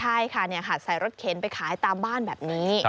ใช่ค่ะหัดใส่รถเข็นไปขายตามบ้านแบบนี้